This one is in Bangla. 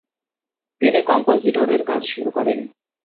তিনি কম্পোসিটরের কাজ শুরু করেন।